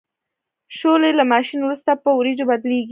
شولې له ماشین وروسته په وریجو بدلیږي.